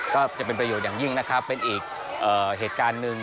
ก็จะเป็นประโยชน์อย่างยิ่งนะครับเป็นอีกเหตุการณ์หนึ่ง